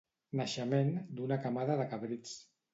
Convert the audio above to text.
Naixement d'una camada de cabrits.